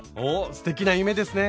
すてきな夢ですね。